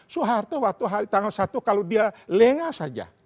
soeharto waktu tanggal satu kalau dia lengah saja